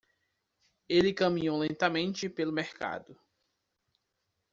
Ele caminhou lentamente pelo mercado.